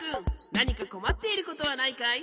なにかこまっていることはないかい？